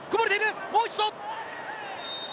もう一度。